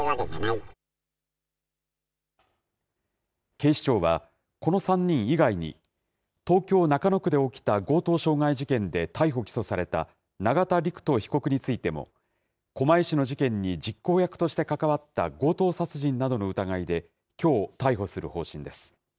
警視庁は、この３人以外に、東京・中野区で起きた強盗傷害事件で逮捕・起訴された永田陸人被告についても、狛江市の事件に実行役として関わった強盗殺人などの疑いできょう、逮捕する方針です。